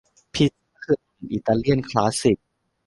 พิซซ่าคืออาหารอิตาเลียนคลาสสิค